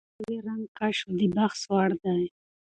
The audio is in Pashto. د نوي رنګ کشف د بحث وړ دی.